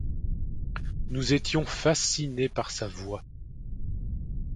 Nous étions fascinés par sa voix.